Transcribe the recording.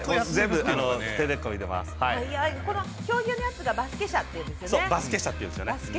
競技用のがバスケ車っていうんですよね。